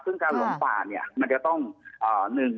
ซึ่งการหลงป่ามันจะต้องหนึ่ง